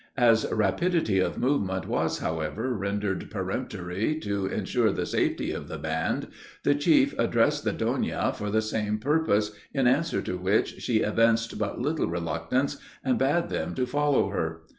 As rapidity of movement was, however, rendered peremptory to insure the safety of the band, the chief addressed the Donna for the same purpose, in answer to which, she evinced but little reluctance, and bade them to follow her.